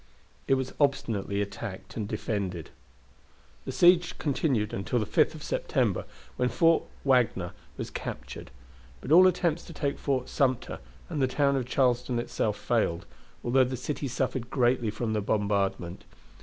It was obstinately attacked and defended. The siege continued until the 5th of September, when Fort Wagner was captured; but all attempts to take Fort Sumter and the town of Charleston itself failed, although the city suffered greatly from the bombardment.